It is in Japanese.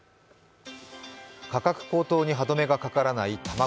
価格高騰に歯止めがかからない卵。